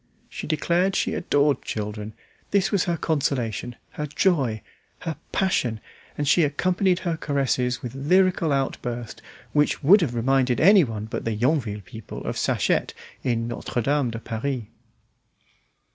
She declared she adored children; this was her consolation, her joy, her passion, and she accompanied her caresses with lyrical outburst which would have reminded anyone but the Yonville people of Sachette in "Notre Dame de Paris."